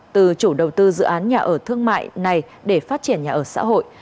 từ chủ đầu tư dự án nhà ở thương mại này để phát triển nhà ở xã hội